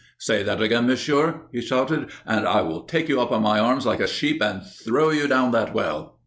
"Say that again, monsieur," he shouted, "and I will take you up in my arms like a sheep and throw you down that well."